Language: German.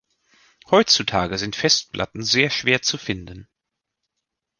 Heutzutage sind Festplatten sehr schwer zu finden.